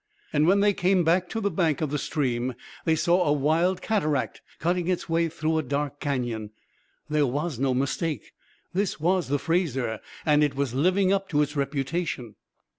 And when they came back to the bank of the stream they saw a wild cataract cutting its way through a dark canyon. There was no mistake. This was the Fraser, and it was living up to its reputation.